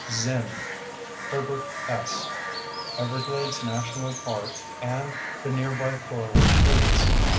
Zim, Herbert S. _Everglades National Park and the Nearby Florida Keys.